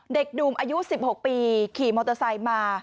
เด็กหนุ่มอายุ๑๖ปีขี่มอเตอร์ไซค์มา